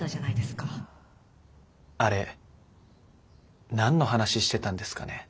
あれ何の話してたんですかね？